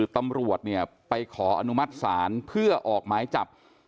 ตำรวจเนี่ยไปขออนุมัติศาลเพื่อออกหมายจับ